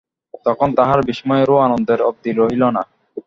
তখন তাঁহার বিস্ময়ের ও আনন্দের অবধি রহিল না।